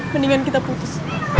mendingan kita putus